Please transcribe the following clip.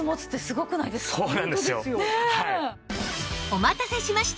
お待たせしました！